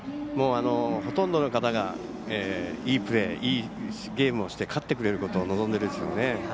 ほとんどの方がいいプレー、いいゲームをして勝ってくれることを望んでますよね。